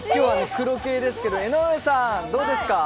今日は黒系ですけど、江上さん、どうですか？